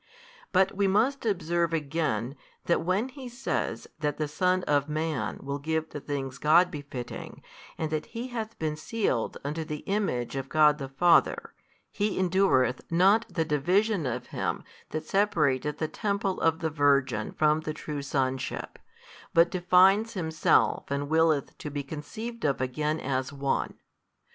But we must observe again, that when He says that the Son of Man will give the things God befitting and that He hath been sealed unto the Image of God the Father, He endureth not the division of him that separateth the Temple of the Virgin from the true Sonship, but defines Himself and willeth to be conceived of again as One.